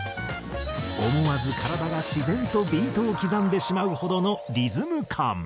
思わず体が自然とビートを刻んでしまうほどのリズム感。